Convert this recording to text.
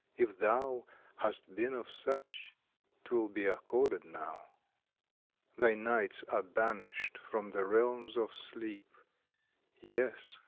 if thou Hast been of such, 'twill be accorded now. Thy nights are banished from the realms of sleep: Yes!